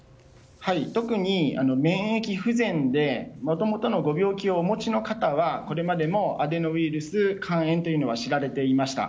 特に、免疫不全でもともとのご病気をお持ちの方はこれまでもアデノウイルス肝炎というのは知られていました。